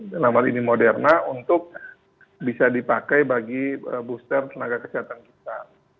dalam hal ini moderna untuk bisa dipakai bagi booster tenaga kesehatan kita